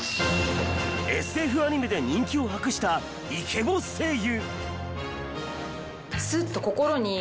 ＳＦアニメで人気を博したイケボ声優。